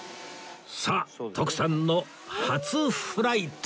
さあ徳さんの初フライト！